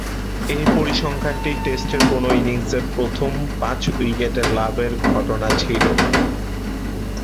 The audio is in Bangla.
এ পরিসংখ্যানটি টেস্টের কোন ইনিংসে প্রথম পাঁচ-উইকেট লাভের ঘটনা ছিল।